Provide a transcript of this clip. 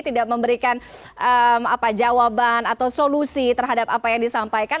tidak memberikan jawaban atau solusi terhadap apa yang disampaikan